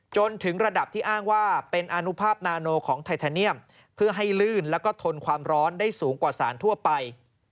จนถึงระดับที่อ้างว่าเป็นอนุภาพนาโนของไททาเนียมเพื่อให้ลื่นแล้วก็ทนความร้อนได้สูงกว่าสารทั่วไป